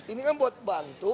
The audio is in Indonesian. ini kan buat bantu